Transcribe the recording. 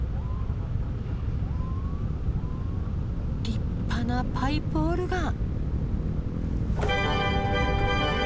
立派なパイプオルガン！